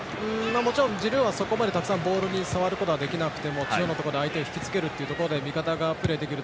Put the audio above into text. もちろんジルーはそこまで、たくさんボールに触れなくても中央のところで相手を引きつけるところで味方がプレーできる。